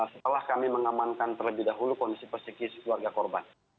setelah kami mengamankan terlebih dahulu kondisi pesikis keluarga korban